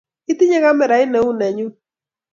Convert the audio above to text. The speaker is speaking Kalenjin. Itinye kamerait neu nenyu